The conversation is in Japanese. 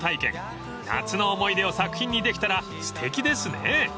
［夏の思い出を作品にできたらすてきですね］